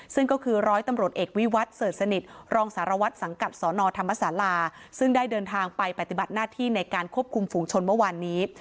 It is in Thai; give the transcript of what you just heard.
ซึ่งก็คือร้อยตำรวจเอกวิวัตรเสิร์ชสนิทรองสารวัตรสังกัดสนธรรมศาลาซึ่งได้เดินทางไปปฏิบัติหน้าที่ในการควบคุมฝุงชนเมื่อวานนี้